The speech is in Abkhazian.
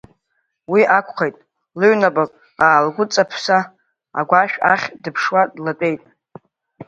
Уи акәхеит, лыҩнапык аалгәыҵаԥса агәашә ахь дыԥшуа длатәеит.